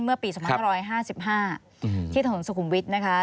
เมื่อปี๒๕๕ที่ถนนสุขุมวิทย์นะคะ